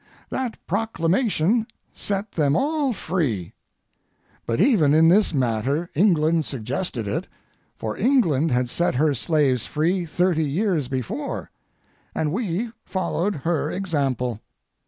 That proclamation set them all free. But even in this matter England suggested it, for England had set her slaves free thirty years before, and we followed her example.